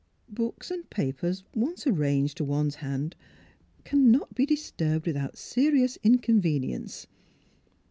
Books and papers once arranged to one 's hand cannot be disturbed with out serious inconvenience.